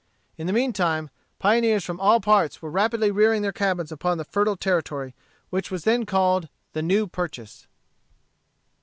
In the mean time, pioneers from all parts were rapidly rearing their cabins upon the fertile territory, which was then called The New Purchase.